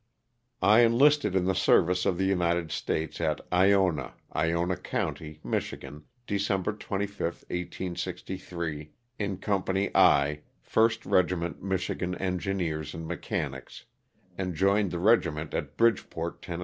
T ENLISTED in the service of the United States at * Ionia, Ionia county, Mich,, December 25, 1863, in Company I, 1st Regiment Michigan Engineers and Mechanics, and joined the regiment at Bridgeport, Tenn.